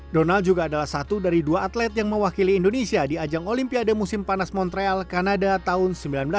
donald juga adalah satu dari dua atlet yang mewakili indonesia di ajang olimpiade musim panas montreal kanada tahun seribu sembilan ratus sembilan puluh